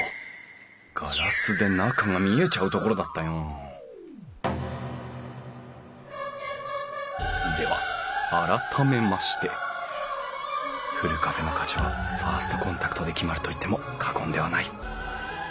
ガラスで中が見えちゃうところだったよでは改めましてふるカフェの価値はファーストコンタクトで決まると言っても過言ではない。